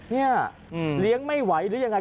เนี่ยเลี้ยงไม่ไหวหรือยังไง